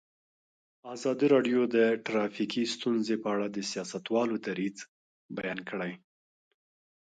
ازادي راډیو د ټرافیکي ستونزې په اړه د سیاستوالو دریځ بیان کړی.